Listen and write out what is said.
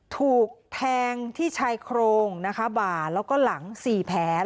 ถูกแทงที่ชายโครงนะคะบ่าแล้วก็หลัง๔แผล